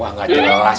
wah gak jelas